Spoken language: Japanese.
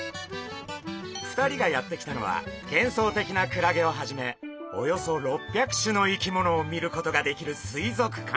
２人がやって来たのはげんそうてきなクラゲをはじめおよそ６００種の生き物を見ることができる水族館。